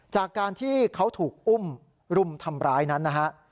จากการที่เขาถูกอุ้มรุมทำร้ายนั้นนะฮะ